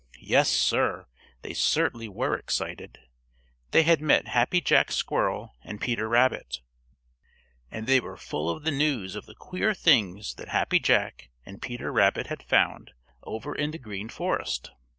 Yes, Sir, they certainly were excited. They had met Happy Jack Squirrel and Peter Rabbit, and they were full of the news of the queer things that Happy Jack and Peter Rabbit had found over in the Green Forest.